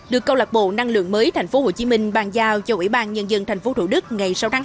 được câu lạc bộ năng lượng mới thành phố hồ chí minh ban giao cho ủy ban nhân dân thành phố thủ đức ngày sáu tháng hai